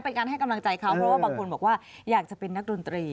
เป็นการให้กำลังใจเขาเพราะว่าบางคนบอกว่าอยากจะเป็นนักดนตรี